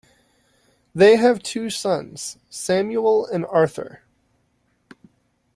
They have two sons: Samuel and Arthur.